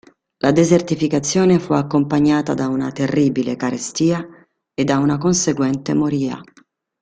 La desertificazione fu accompagnata da una terribile carestia e da una conseguente moria.